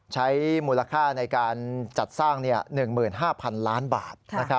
ใช้มูลค่าในการจัดสร้าง๑๕๐๐๐ล้านบาท